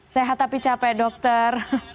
sehat tapi capek dokter